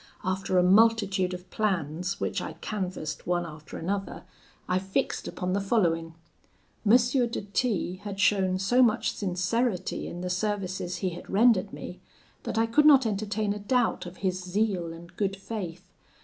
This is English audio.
After a multitude of plans which I canvassed one after another, I fixed upon the following: M. de T had shown so much sincerity in the services he had rendered me, that I could not entertain a doubt of his zeal and good faith.